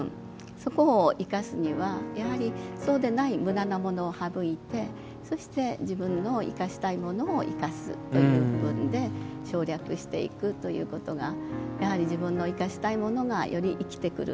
そこを生かすにはそうでない、むだなものを省いて、そして自分の生かしたいものを生かすということで省略していくということがやはり、自分の生かしたいものがより生きてくる。